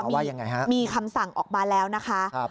มีคำสั่งออกมาแล้วนะคะ